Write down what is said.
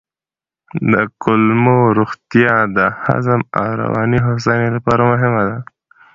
د کولمو روغتیا د هضم او رواني هوساینې لپاره مهمه ده.